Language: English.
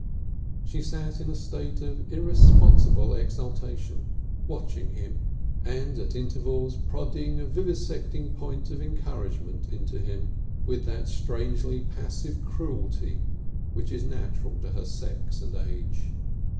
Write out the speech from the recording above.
She sat in a state of irresponsible exaltation, watching him and at intervals prodding a vivisecting point of encouragement into him with that strange passive cruelty which is natural to her sex and age.